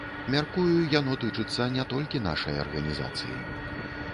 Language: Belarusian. Мяркую, яно тычыцца не толькі нашай арганізацыі.